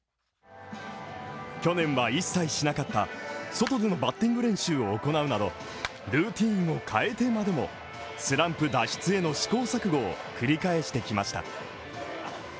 去年は一切しなかった外でのバッティング練習を行うなど、ルーティーンを変えてまでも、スランプ脱出への試行錯誤を繰り返してきました。